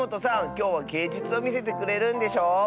きょうはげいじゅつをみせてくれるんでしょ？